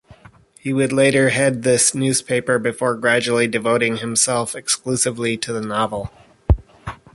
He would later head this newspaper before gradually devoting himself exclusively to the novel.